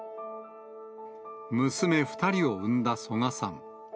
娘２人を産んだ曽我さん。